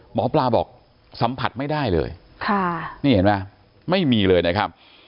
หมอปลาบอกสัมผัสไม่ได้เลยค่ะนี่เห็นไหมไม่มีเลยนะครับ